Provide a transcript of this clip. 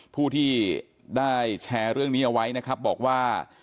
ผู้ที่ได้แชร์เรื่องนี้เอาไว้นะครับบอกว่า